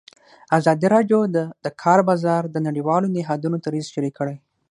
ازادي راډیو د د کار بازار د نړیوالو نهادونو دریځ شریک کړی.